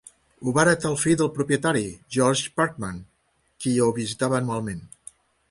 Ho va heretar el fill del propietari, George Parkman, qui ho visitava anualment.